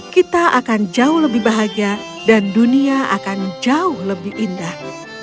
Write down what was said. kita akan jauh lebih bahagia dan dunia akan jauh lebih indah